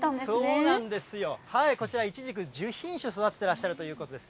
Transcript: そうなんですよ、こちらいちじく１０品種育ててらっしゃるということです。